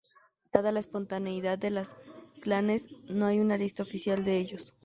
Dada la espontaneidad de los clanes no hay una lista oficial de ellos.